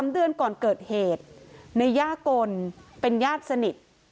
๓เดือนก่อนเกิดเหตุในย่ากลเป็นญาติสนิท